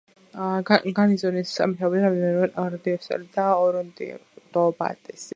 გარნიზონს მეთაურობდნენ მემნონ როდოსელი და ორონტობატესი.